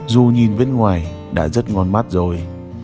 dù nhìn bên ngoài đã rất ngon mát rồi